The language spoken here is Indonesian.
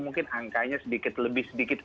mungkin angkanya sedikit lebih sedikit